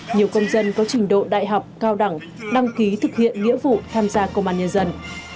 nhiều công dân có trình độ đại học cao đẳng đăng ký thực hiện nghĩa vụ tham gia công an nhân dân